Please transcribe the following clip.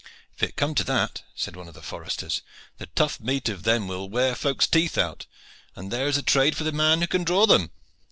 "If it come to that." said one of the foresters, "the tough meat of them will wear folks teeth out, and there is a trade for the man who can draw them."